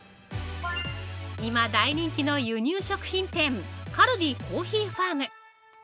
今、大人気の輸入食品店カルディコーヒーファーム。